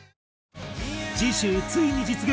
次週ついに実現！